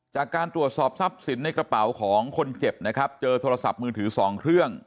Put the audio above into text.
จากการตรวจสอบทรัพย์สินในกระเป๋าของคนเจ็บนะครับเจอโทรศัพท์มือถือ๒เครื่อง